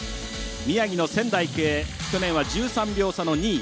宮城の仙台育英去年は１３秒差の２位。